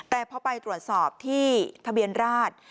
แต่พอไปตรวจสอบที่ทะเบียนราช